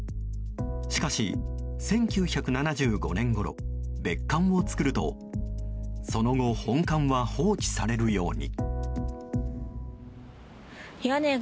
しかし１９７５年ごろ別館を作るとその後本館は放置されるように。